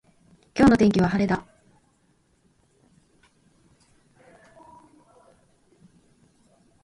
今日の天気は晴れだ。